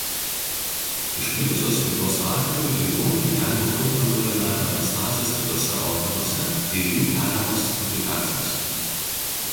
Išplitusios ligos atveju ligonio gyvenimo trukmę nulemia metastazės kituose organuose ir jų sukeliamos komplikacijos.